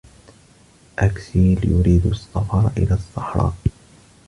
أكسيل يريد السفر الى الصحراء.